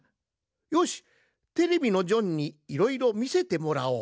よしテレビのジョンにいろいろみせてもらおう。